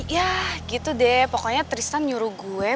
ya gitu deh pokoknya tristan nyuruh gue